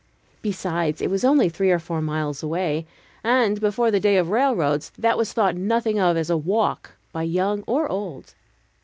Besides, it was only three or four miles away, and before the day of railroads, that was thought nothing of as a walk, by young or old.